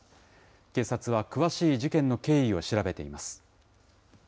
警察は詳しい事件の経緯を調べています。